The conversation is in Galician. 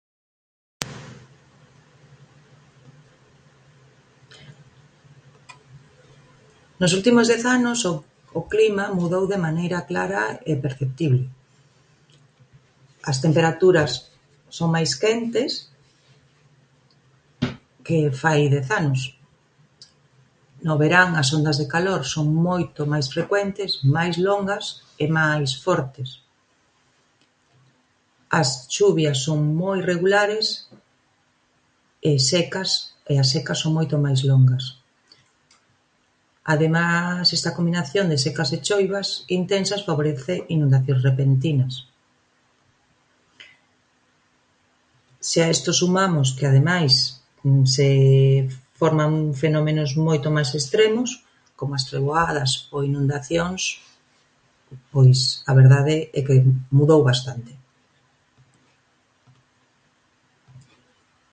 Nos últimos dez anos o o clima mudou de maneira clara e perceptible: as temperaturas son máis quentes que fai dez anos; no verán as ondas de calor son moito máis frecuentes, máis longas e máis fortes; as chuvias son moi regulares; e secas e as secas son moito máis longas. Ademais esta combinación de secas e choivas intensas favorece inundacións repentinas. Se a esto sumamos que ademais se forman fenómenos moito máis extremos, como as treboadas ou inundacións, pois, a verdade, é que mudou bastante.